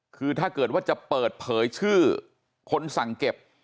คือถ้าเกิดว่าจะเปิดเผยชื่อคนสั่งเก็บ